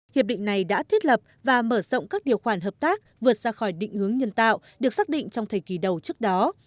hiệp định này đã thiết lập và mở rộng các điều khoản hợp tác vượt ra khỏi định hướng nhân tạo được xác định trong thời kỳ đầu trước đó